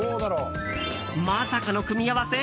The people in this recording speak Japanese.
まさかの組み合わせ？